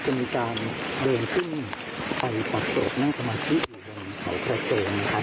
จะมีการเดินขึ้นไปปักโศกนั่งสมาธิอุดมเขากระโจงนะครับ